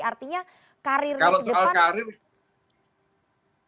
artinya karirnya ke depan